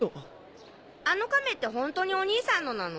あの亀ってホントにおにいさんのなの？